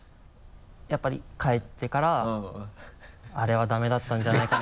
やっぱり帰ってからあれはダメだったんじゃないかな？